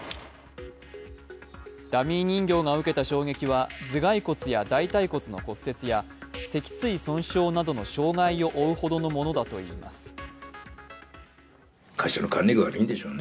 ダミー人形が受けた衝撃は頭蓋骨や大たい骨の骨折や脊椎損傷などの傷害を負うほどのものだと思います。